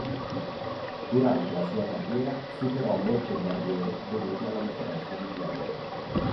Durante la sua carriera superò molte barriere dovute alla differenza di genere.